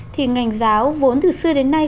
thì ngành giáo vốn từ xưa đến nay